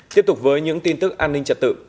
tiếp tục với những tin tức an ninh trật tự